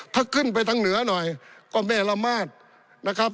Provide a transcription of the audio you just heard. ถ้าขึ้นไปทางเหนือหน่อยก็แม่ละมาดนะครับ